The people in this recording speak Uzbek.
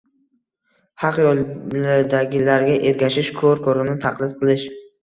haq yo‘ldagilarga ergashish – ko‘r- ko‘rona taqlid qilish